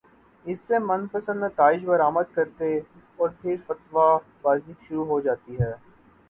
اس سے من پسندنتائج برآمد کرتے اورپھر فتوی بازی شروع ہو جاتی ہے۔